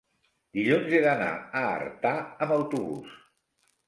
Dilluns he d'anar a Artà amb autobús.